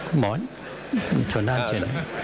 คุณหมอนชนท่านเช่น